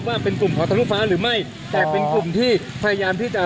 ทางกลุ่มมวลชนทะลุฟ้าทางกลุ่มมวลชนทะลุฟ้า